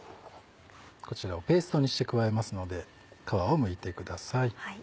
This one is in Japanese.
こちらをペーストにして加えますので皮をむいてください。